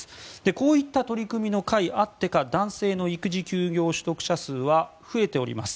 こういった取り組みのかいあってか男性の育児休業取得者数は増えております。